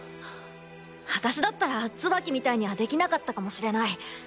私だったらツバキみたいにはできなかったかもしれない。